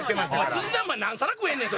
すしざんまい何皿食えんねん！？